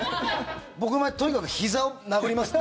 僕の場合とにかくひざを殴りますね。